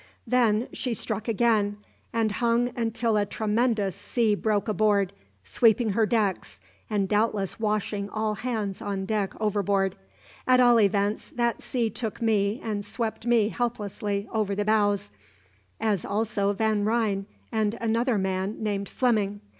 Then she struck again, and hung until a tremendous sea broke aboard, sweeping her decks and doubtless washing all hands on deck overboard at all events that sea took me and swept me helplessly over the bows, as also Van Ryn and another man, named Fleming.